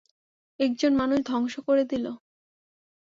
একজন মানুষ ধ্বংস করে দিল।